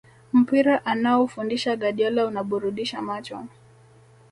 Mpira anaofundisha Guardiola unaburudisha macho